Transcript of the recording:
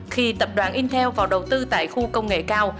khi tập đoàn intel vào đầu tư tại khu công nghệ cao